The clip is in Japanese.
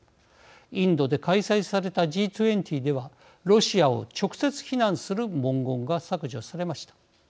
インドで開催されたＧ２０ではロシアを直接非難する文言が削除されました。